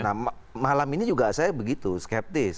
nah malam ini juga saya begitu skeptis